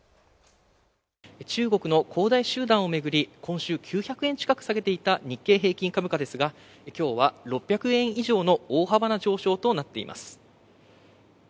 中国の恒大集団をめぐり今週９００円近く下げていた日経平均株価ですがきょうは６００円以上の大幅な上昇となっています。